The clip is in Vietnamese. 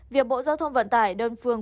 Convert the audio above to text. việc bộ giao thông vận tải đơn phương